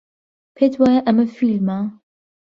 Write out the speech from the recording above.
پێت وایە ئەمە فیلمە؟